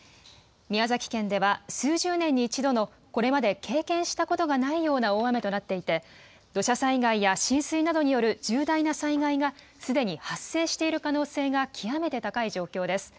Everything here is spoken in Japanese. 宮崎県では数十年に一度のこれまで経験したことがないような大雨となっていて土砂災害や浸水などによる重大な災害がすでに発生している可能性が極めて高い状況です。